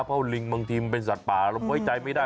เพราะลิงบางทีมันเป็นสัตว์ป่าเราไว้ใจไม่ได้